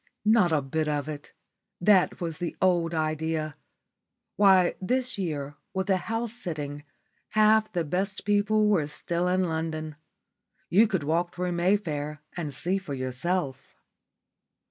Not a bit of it. That was the old idea. Why, this year, with the House sitting, half the best people were still in London. You could walk through Mayfair and see for yourself.